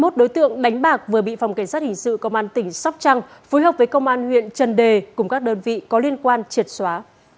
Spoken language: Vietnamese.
hai mươi một đối tượng đánh bạc vừa bị phòng cảnh sát hình sự công an tỉnh sóc trăng phối hợp với công an huyện trần đề cùng các đơn vị có liên quan triệt xóa